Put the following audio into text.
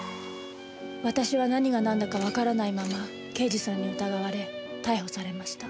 私は何がなんだかわからないまま刑事さんに疑われ逮捕されました。